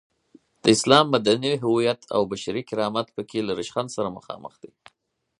د اسلام مدني هویت او بشري کرامت په کې له ریشخند سره مخامخ دی.